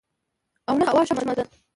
او نه اۤهو چشمه ده